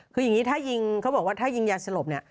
คืออย่างนี้ถ้ายิงยานสลบเนี่ย